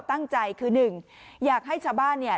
ตั้งใจคือหนึ่งอยากให้ชาวบ้านเนี่ย